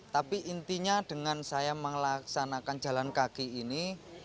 tapi intinya dengan saya melaksanakan jalan kaki ini